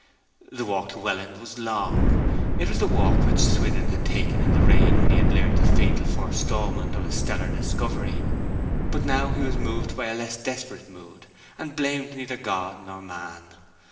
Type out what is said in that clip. The walk to Welland was long. It was the walk which Swithin had taken in the rain when he had learnt the fatal forestalment of his stellar discovery; but now he was moved by a less desperate mood, and blamed neither God nor man.